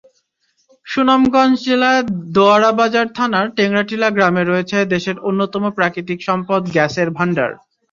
সুনামগঞ্জ জেলার দোয়ারাবাজার থানার টেংরাটিলা গ্রামে রয়েছে দেশের অন্যতম প্রাকৃতিক সম্পদ গ্যাসের ভান্ডার।